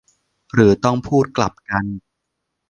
หรือต้องพูดกลับกัน ?